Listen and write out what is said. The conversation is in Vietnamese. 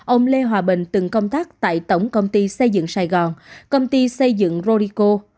ông lê hòa bình từng công tác tại tổng công ty xây dựng sài gòn công ty xây dựng rodico